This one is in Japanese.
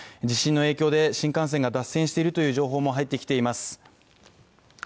地震の影響で新幹線が脱線しているという情報も入ってきています。